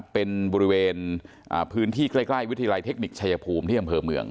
เป็นบริเวณพื้นที่ใกล้วิทยาลัยเทคนิคชัยภูมิที่อำเภอเมือง